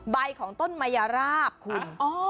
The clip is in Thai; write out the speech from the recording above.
ใบของต้นมะยราบคุณ